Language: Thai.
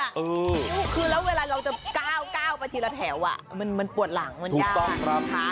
คือแล้วเวลาเราจะก้าวไปทีละแถวมันปวดหลังมันยาก